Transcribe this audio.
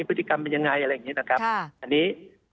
พฤติกรรมเป็นยังไงอะไรแบบนี้